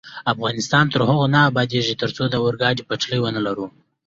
افغانستان تر هغو نه ابادیږي، ترڅو د اورګاډي پټلۍ ونلرو.